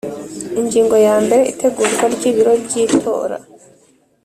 Ingingo ya mbere Itegurwa ry ibiro by itora